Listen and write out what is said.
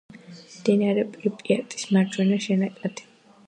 მდინარე პრიპიატის მარჯვენა შენაკადი.